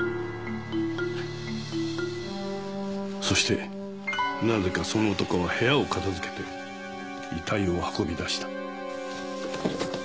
そしてなぜかその男は部屋を片付けて遺体を運び出した。